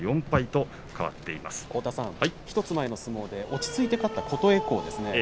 １つ前の相撲で落ち着いて勝った琴恵光です。